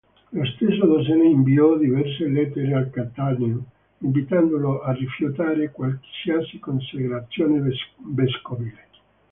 Lo stesso Dossena inviò diverse lettere al Cattaneo invitandolo a rifiutare qualsiasi consacrazione vescovile.